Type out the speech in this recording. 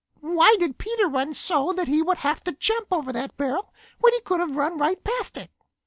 Why did Peter run so that he would have to jump over that barrel when he could have run right past it?